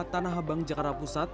tanah abang jakarta pusat